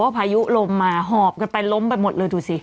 พายุลมมาหอบกันไปล้มไปหมดเลยดูสิ